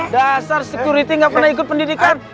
dasar security nggak pernah ikut pendidikan